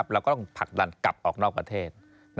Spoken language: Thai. เราก็ต้องผลักดันกลับออกนอกประเทศ